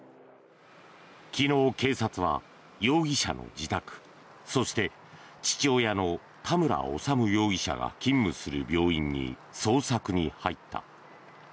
昨日、警察は容疑者の自宅そして、父親の田村修容疑者が勤務する病院に捜索に入った。